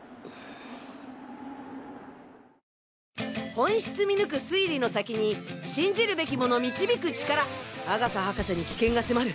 本質見抜く推理の先に信じるべきもの導く力阿笠博士に危険が迫る！